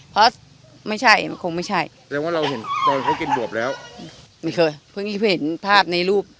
เพราะไม่ใช่มันคงไม่ใช่แสดงว่าเราเห็นตอนเขากินบวบแล้วไม่เคยเพิ่งเห็นภาพในรูป